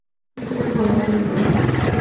দুর্বল, দুর্বল!